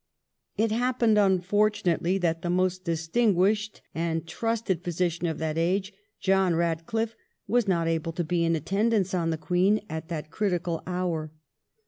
It happened unfortunately that the most dis tinguished and trusted physician of that age, John Eadchffe, was not able to be in attendance on the Queen at that critical hour.